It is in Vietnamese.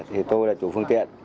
thì tôi là chủ phương tiện